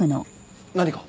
何か？